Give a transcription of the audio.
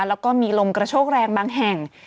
แล้วก็มีลมกระโชกแรงบางแห่ง